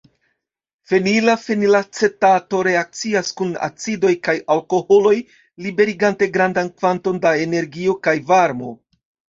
Fenila fenilacetato reakcias kun acidoj kaj alkoholoj liberigante grandan kvanton da energio kaj varmo.